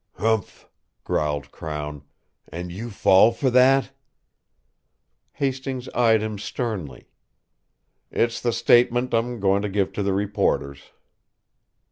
"Humph!" growled Crown. "And you fall for that!" Hastings eyed him sternly. "It's the statement I'm going to give to the reporters."